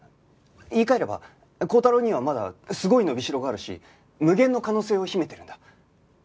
言い換えれば高太郎にはまだすごい伸びしろがあるし無限の可能性を秘めてるんだ。